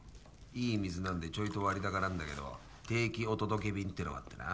いい水なんでちょいと割高なんだけど定期お届け便ってのがあってな。